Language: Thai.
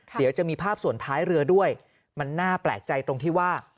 เดี๋ยวจะมีภาพส่วนท้ายเรือด้วยมันน่าแปลกใจตรงที่ว่า